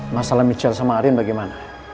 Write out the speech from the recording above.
masalah michel sama arin bagaimana